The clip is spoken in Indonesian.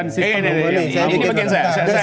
ini begini saya